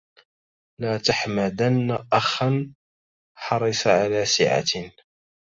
لا تحمدن أخا حرص على سعة